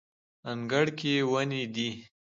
انګړ کې ونې دي